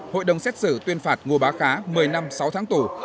hội đồng xét xử tuyên phạt ngô bá khá một mươi năm sáu tháng tù